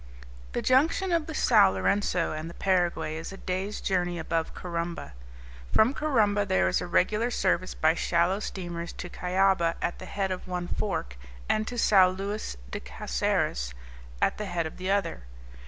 The junction of the Sao Lourenco and the Paraguay is a day's journey above Corumba. From Corumba there is a regular service by shallow steamers to Cuyaba, at the head of one fork, and to Sao Luis de Caceres, at the head of the other.